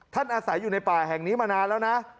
อาศัยอยู่ในป่าแห่งนี้มานานแล้วนะ